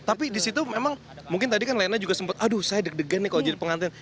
tapi di situ memang mungkin tadi kan lena juga sempat aduh saya deg degan nih kalau jadi pengantin